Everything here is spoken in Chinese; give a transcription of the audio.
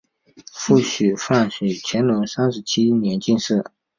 父许学范为乾隆三十七年进士。